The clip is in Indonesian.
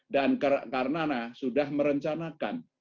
dan karnana sudah merencanakan